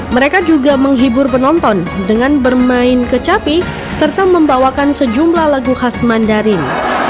mereka juga menghibur penonton dengan bermain kecapi serta membawakan sejumlah lagu khas mandarin